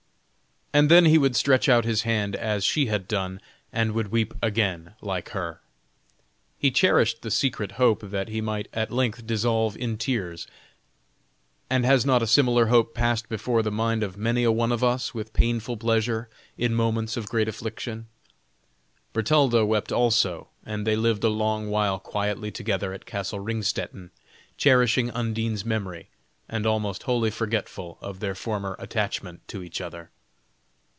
And then he would stretch out his hand, as she had done, and would weep again, like her. He cherished the secret hope that he might at length dissolve in tears; and has not a similar hope passed before the mind of many a one of us, with painful pleasure, in moments of great affliction? Bertalda wept also, and they lived a long while quietly together at Castle Ringstetten, cherishing Undine's memory, and almost wholly forgetful of their former attachment to each other.